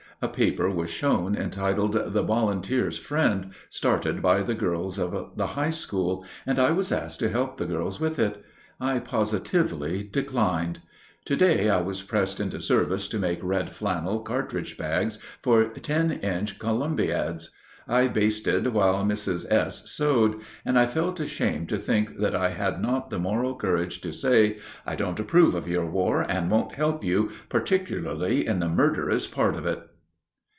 A paper was shown, entitled the "Volunteer's Friend," started by the girls of the high school, and I was asked to help the girls with it. I positively declined. To day I was pressed into service to make red flannel cartridge bags for ten inch columbiads. I basted while Mrs. S. sewed, and I felt ashamed to think that I had not the moral courage to say, "I don't approve of your war and won't help you, particularly in the murderous part of it."